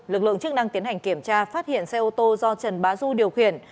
lực lượng chức năng tiến hành kiểm tra phát hiện xe ô tô do trần bá du điều khiển